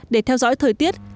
để theo dõi thời tiết